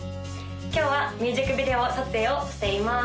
今日はミュージックビデオ撮影をしています